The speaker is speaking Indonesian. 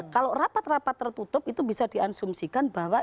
kalau rapat rapat tertutup itu bisa diansumsikan bahwa